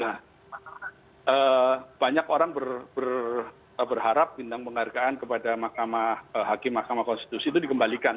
nah banyak orang berharap bintang penghargaan kepada hakim mahkamah konstitusi itu dikembalikan